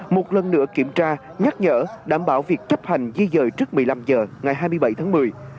một lần nữa kiểm tra nhắc nhở đảm bảo việc chấp hành di dời trước một mươi năm h ngày hai mươi bảy tháng một mươi